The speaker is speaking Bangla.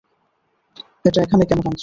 এটা এখানে কেন টানছো?